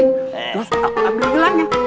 terus aku ambil gelangin